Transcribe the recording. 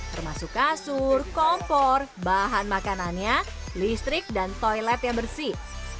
termasuk kasur kompor bahan makanannya listrik dan toilet yang bersih